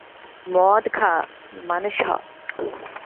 মদ খা, মানুষ হ।